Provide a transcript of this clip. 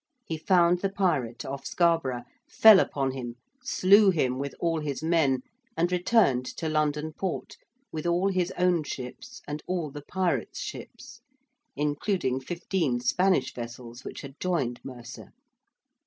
He found the pirate off Scarborough, fell upon him, slew him with all his men and returned to London Port with all his own ships and all the pirate's ships including fifteen Spanish vessels which had joined Mercer.